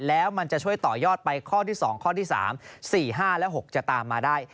แล้วมันจะช่วยต่อยอดไปข้อที่๒ข้อที่๓๔๕และ๖จะตามมาได้